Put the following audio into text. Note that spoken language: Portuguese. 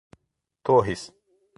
Torres